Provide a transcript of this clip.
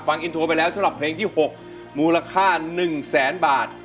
ฟังอินโทรไปแล้วสำหรับเพลงที่๖มูลค่า๑แสนบาท